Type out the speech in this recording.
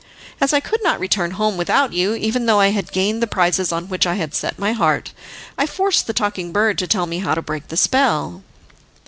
As I could not return home without you, even though I had gained the prizes on which I had set my heart, I forced the Talking Bird to tell me how to break the spell."